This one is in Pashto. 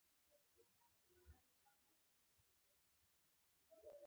نږدې درې اعشاریه اته میلیارده کاله وړاندې ځمکه جوړه شوه.